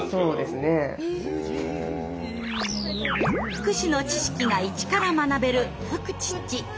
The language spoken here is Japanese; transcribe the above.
福祉の知識がイチから学べる「フクチッチ」。